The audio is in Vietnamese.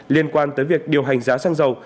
liên quan tới việc điều hành giá xăng dầu